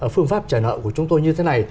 phương pháp trả nợ của chúng tôi như thế này